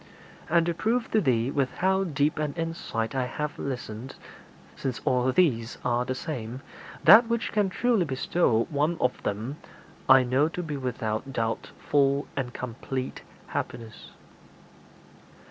And to prove to thee with how deep an insight I have listened since all these are the same that which can truly bestow one of them I know to be without doubt full and complete happiness.'